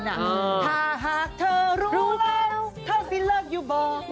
ถ้าหากเธอรู้แล้วเธอไปเลิกอยู่บ่อ